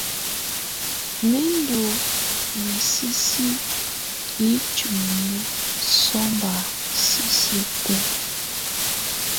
Mɛ ndù misisi yi ntuinyii sɔmba sisiǝ́ tɛ̀á.